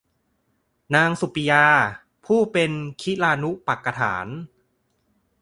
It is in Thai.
นางสุปปิยา ผู้เป็นคิลานุปัฎฐาก